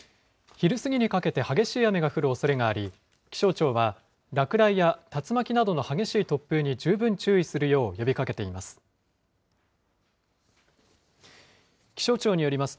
昼過ぎにかけて激しい雨が降るおそれがあり、気象庁は、落雷や竜巻などの激しい突風に十分注意するよう呼びかけています。